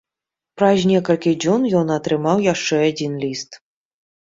Праз некалькі дзён ён атрымаў яшчэ адзін ліст.